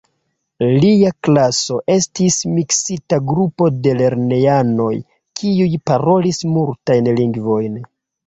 Lia klaso estis miksita grupo de lernejanoj, kiuj parolis multajn lingvojn.